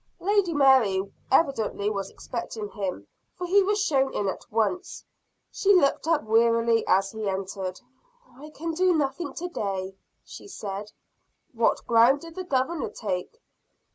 Lady Mary evidently was expecting him for he was shown in at once. She looked up wearily as he entered. "I can do nothing to day," she said. "What ground did the Governor take?"